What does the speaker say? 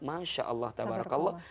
masya allah tabarakallah